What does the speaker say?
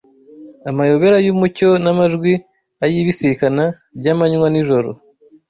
amayobera y’umucyo n’amajwi ay’ibisikana ry’amanywa n’ijoro